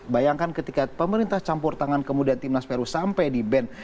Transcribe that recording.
bayangkan ketika pemerintah campur tangan kemudian timnas peru sampai di band